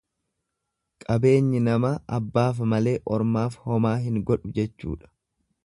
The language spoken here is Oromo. Qabeenyi namaa abbaaf malee ormaaf homaa hin godhu jechuudha.